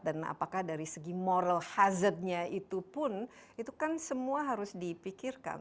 dan apakah dari segi moral hazardnya itu pun itu kan semua harus dipikirkan